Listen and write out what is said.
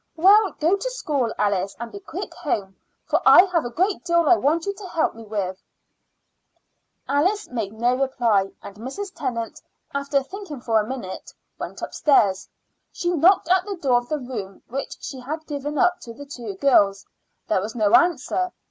"Well, go to school, Alice, and be quick home, for I have a great deal I want you to help me with." Alice made no reply, and Mrs. Tennant, after thinking for a minute, went upstairs. She knocked at the door of the room which she had given up to the two girls. There was no answer.